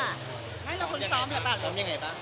นั่นคือคุณซ้อมหรือเปล่า